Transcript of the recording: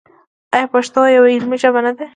آیا پښتو یوه علمي ژبه نه ده؟